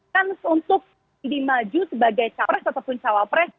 kans untuk dimaju sebagai capres ataupun cawapres